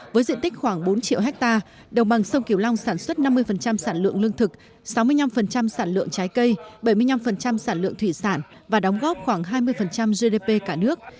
với diện tích khoảng bốn triệu hectare đồng bằng sông kiều long sản xuất năm mươi sản lượng lương thực sáu mươi năm sản lượng trái cây bảy mươi năm sản lượng thủy sản và đóng góp khoảng hai mươi gdp cả nước